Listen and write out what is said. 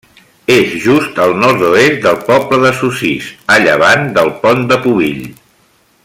És just al nord-oest del poble de Sossís, a llevant del Pont de Pubill.